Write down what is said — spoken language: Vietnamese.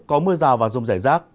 có mưa rào và rông giải rác